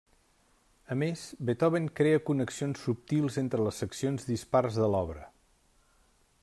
A més, Beethoven crea connexions subtils entre les seccions dispars de l'obra.